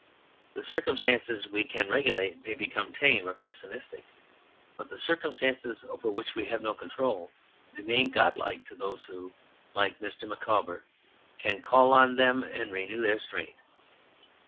The circumstances we can regulate may become tame or pessimistic; but the "circumstances over which we have no control" remain god like to those who, like Mr. Micawber, can call on them and renew their strength.